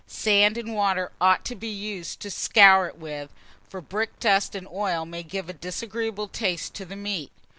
Sand and water ought to be used to scour it with, for brickdust and oil may give a disagreeable taste to the meat.